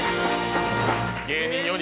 芸人４人。